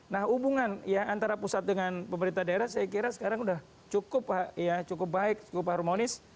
nah hubungan ya antara pusat dengan pemerintah daerah saya kira sekarang sudah cukup baik cukup harmonis